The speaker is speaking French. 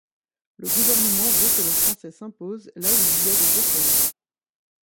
Le gouvernement veut que le français s’impose là où il y a des écoles.